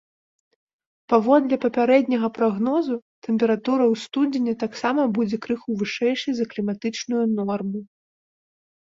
Паводле папярэдняга прагнозу, тэмпература ў студзені таксама будзе крыху вышэйшай за кліматычную норму.